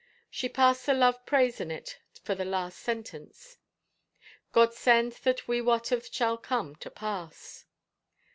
She passed the love praise in it for the last sentence: God send that we wot of shall come to pass."